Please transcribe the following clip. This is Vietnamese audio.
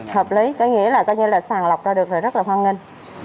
hợp lý có nghĩa là coi như là sàn lọc ra được là rất là hoan nghênh